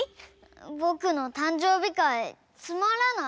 ぼくのたんじょうびかいつまらない？